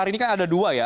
ini kan ada dua ya